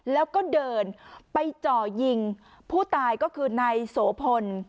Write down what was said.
แล้วก็เดินไปจ่อยิงผู้ตายก็คือนายโสพล